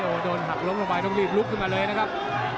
โอ้โหโดนหักล้มลงไปต้องรีบลุกขึ้นมาเลยนะครับ